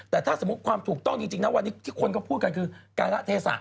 แต่ถ้าสมมุติความถูกต้องจริงนะวันนี้ที่คนก็พูดกันคือการะเทศะ